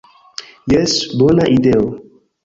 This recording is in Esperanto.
Jes, bona ideo!"